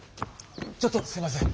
ちょっとすいません。